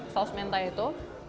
saus mentai itu